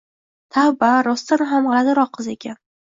Tavba, rostdan ham g`alatiroq qiz ekan